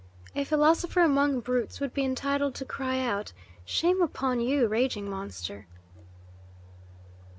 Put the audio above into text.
A philosopher among brutes would be entitled to cry out, 'Shame upon you, raging monster!